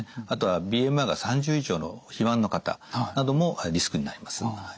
あとはＢＭＩが３０以上の肥満の方などもリスクになります。